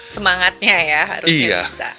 semangatnya ya harusnya bisa